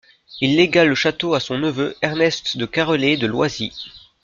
Il légua le château à son neveu, Ernest de Carrelet de Loisy.